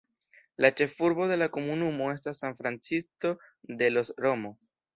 La ĉefurbo de la komunumo estas San Francisco de los Romo.